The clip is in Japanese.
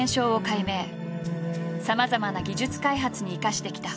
さまざまな技術開発に生かしてきた。